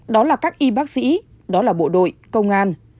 đó là các y bác sĩ đó là bộ đội công an